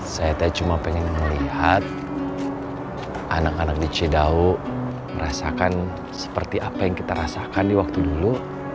saya cuma pengen melihat anak anak di cidau merasakan seperti apa yang kita rasakan di waktu dulu